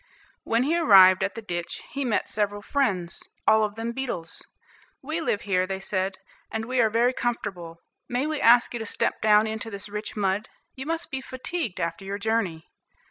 When he arrived at the ditch, he met several friends, all them beetles; "We live here," they said, "and we are very comfortable. May we ask you to step down into this rich mud, you must be fatigued after your journey."